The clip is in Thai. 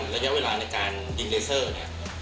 ระยะเวลาในการดีเลเซอร์เนี่ย